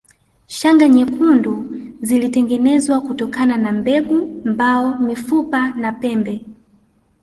Shanga nyekundu zilitengenezwa kutokana na mbegu mbao mifupa na pembe